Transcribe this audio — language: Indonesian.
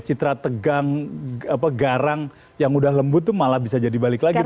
citra tegang garang yang udah lembut tuh malah bisa jadi balik lagi